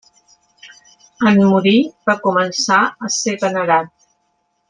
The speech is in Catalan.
En morir, va començar a ser venerat.